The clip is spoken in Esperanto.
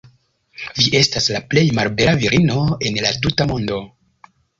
Vi estas la plej malbela virino en la tuta mondo."